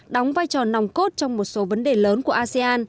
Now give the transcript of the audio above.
đóng vai trò nòng cốt trong một số vấn đề lớn của asean